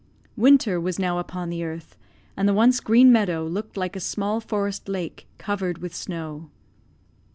Winter was now upon the earth, and the once green meadow looked like a small forest lake covered with snow.